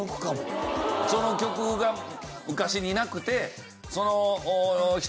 その曲が昔になくて。